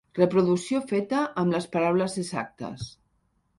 Reproducció feta amb les paraules exactes.